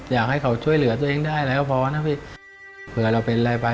อยากให้เขาช่วยเหลือตัวเองได้อะไรก็พอนะพี่เผื่อเราเป็นอะไรไป